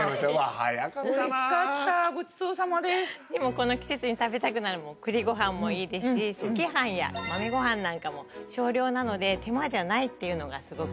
この季節に食べたくなる栗ごはんもいいですし赤飯や豆ごはんなんかも少量なので手間じゃないっていうのがすごく。